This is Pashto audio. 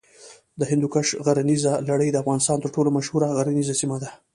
د هندوکش غرنیزه لړۍ د افغانستان تر ټولو مشهوره غرنیزه سیمه ده.